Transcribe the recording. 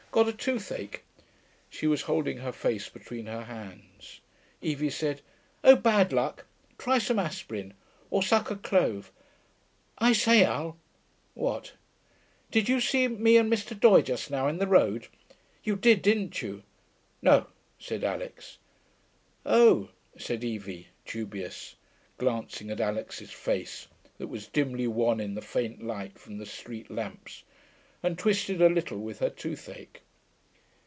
'Got a toothache.' She was holding her face between her hands. Evie said, 'Oh, bad luck. Try some aspirin. Or suck a clove.... I say, Al.' 'What?' 'Did you see me and Mr. Doye just now, in the road? You did, didn't you?' 'No,' said Alix. 'Oh,' said Evie, dubious, glancing at Alix's face, that was dimly wan in the faint light from the street lamps, and twisted a little with her toothache.